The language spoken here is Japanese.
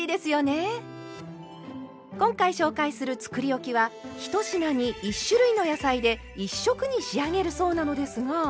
今回紹介するつくりおきは１品に１種類の野菜で１色に仕上げるそうなのですが。